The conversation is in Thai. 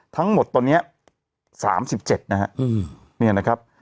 ทั้งหมดตอนนี้๓๗นะฮะเนี่ยนะครับ